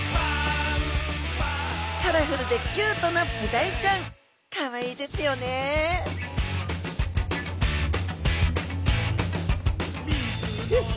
カラフルでキュートなブダイちゃんかわいいですよねひゃっは！